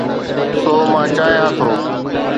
سو، مان چاهيان ٿو